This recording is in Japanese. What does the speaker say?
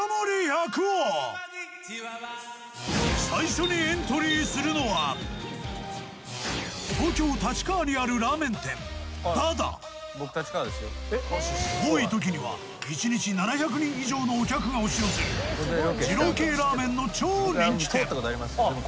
最初にエントリーするのは多い時には１日７００人以上のお客が押し寄せる二郎系ラーメンの超人気店